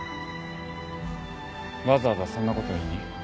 わざわざそんなこと言いに？